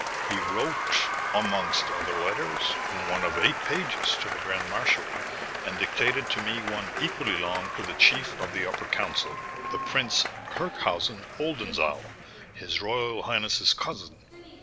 He wrote, amongst other letters, one of eight pages to the Grand Marshal, and dictated to me one equally long to the Chief of the Upper Council, the Prince Herkhaüsen Oldenzaal, his royal highness's cousin."